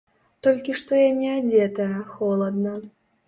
Толькі што я неадзетая, холадна.